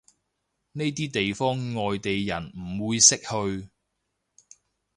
呢啲地方外地人唔會識去